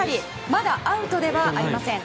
まだアウトではありません。